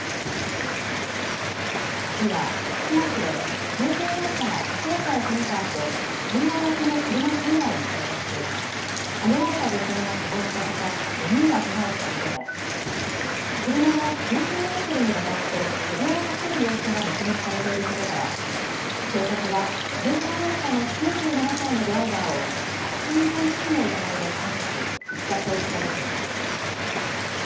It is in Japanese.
昨夜、福島市で軽乗用車が歩行者をはねたあと信号待ちの車３台に衝突しはねられた女性が死亡したほか５人がけがをした事故で車が数十メートルにわたって歩道を走る様子が目撃されていることから警察は軽乗用車の９７歳のドライバーを過失運転致死の疑いで逮捕しいきさつを調べています。